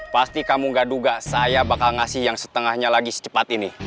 pasti kamu gak duga saya bakal ngasih yang setengahnya lagi secepat ini